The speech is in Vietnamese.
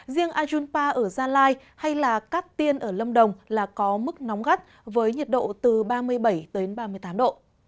riêng ajunpa ở gia lai hay là cát tiên ở lâm đồng là có mức nóng gắt với nhiệt độ từ ba mươi bảy ba mươi tám độ